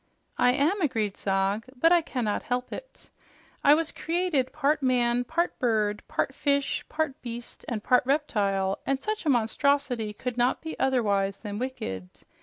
"I am," agreed Zog, "but I cannot help it. I was created part man, part bird, part fish, part beast and part reptile, and such a monstrosity could not be otherwise than wicked.